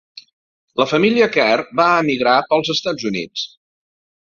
La família Kerr va emigrar pels Estats Units.